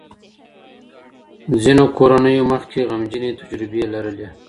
ځینو کورنیو مخکې غمجنې تجربې لرلې.